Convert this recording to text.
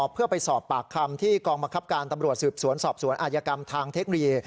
เพื่อไปสอบปากคำที่กองบังคับการตำรวจสืบสวนสอบสวนอาจกรรมทางเทคโนโลยี